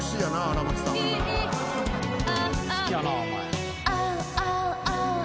好きやなお前。